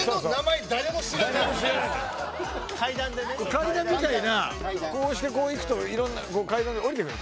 階段みたいなこうしてこういくと階段で下りてくの。